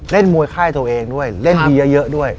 เล่นมวยไข้ตัวเองด้วยเล่นเยอะด้วย